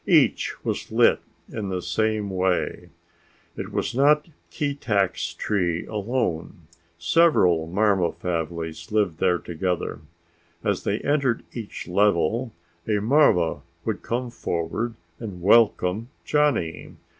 Each was lit in the same way. It was not Keetack's tree alone; several marva families lived there together. As they entered each level a marva would come forward and welcome Johnny.